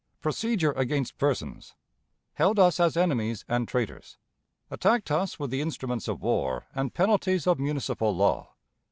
Procedure against Persons. Held us as Enemies and Traitors. Attacked us with the Instruments of War and Penalties of Municipal Law.